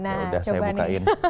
udah saya bukain